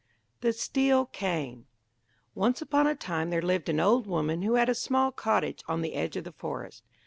THE STEEL CANE Once upon a time there lived an old woman who had a small cottage on the edge of the forest.